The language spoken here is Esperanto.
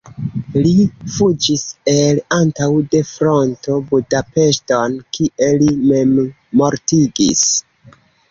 Li fuĝis el antaŭ de fronto Budapeŝton, kie li memmortigis.